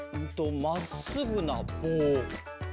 まっすぐなぼう？